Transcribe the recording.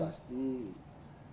pasti harus kita buka